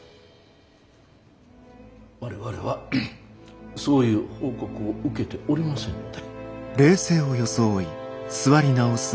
我々はそういう報告を受けておりませんので。